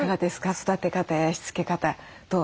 育て方やしつけ方どうなさって？